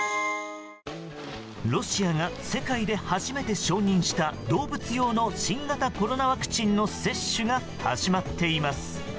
ロシアが世界で初めて承認した動物用の新型コロナワクチンの接種が始まっています。